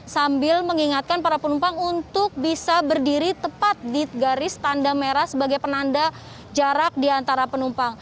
sambil mengingatkan para penumpang untuk bisa berdiri tepat di garis tanda merah sebagai penanda jarak di antara penumpang